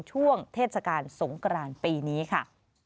ช่วงเทศกาลสงกรานปีนี้ค่ะ